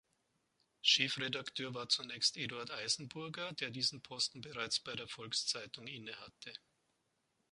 Chefredakteur war zunächst Eduard Eisenburger, der diesen Posten bereits bei der „Volkszeitung“ innehatte.